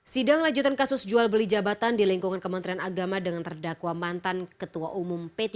sidang lanjutan kasus jual beli jabatan di lingkungan kementerian agama dengan terdakwa mantan ketua umum p tiga